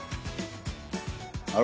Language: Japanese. あれ？